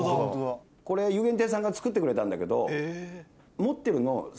これ游玄亭さんが作ってくれたんだけど。